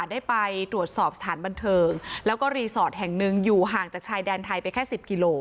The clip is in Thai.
ได้ไปตรวจสอบสถานบันเทิงแล้วก็รีสอร์ทแห่งหนึ่งอยู่ห่างจากชายแดนไทยไปแค่สิบกิโล